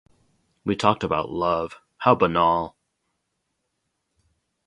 We talked about 'love' — how banal!